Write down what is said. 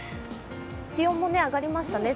気温も上がりましたね。